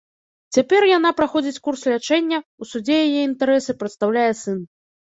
Цяпер яна праходзіць курс лячэння, у судзе яе інтарэсы прадстаўляе сын.